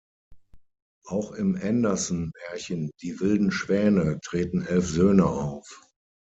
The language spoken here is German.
Auch im Anderson-Märchen "Die wilden Schwäne" treten elf Söhne auf.